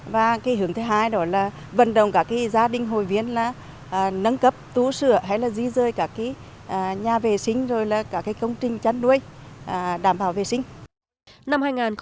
và hướng thứ hai là vận động các gia đình hội viên nâng cấp tú sửa hay là di rơi cả nhà vệ sinh công trình chăn nuôi đảm bảo vệ sinh